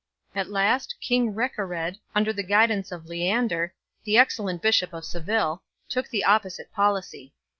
At last king Reccared, under the guidance of Leander, the excellent bishop of Seville, took the opposite policy.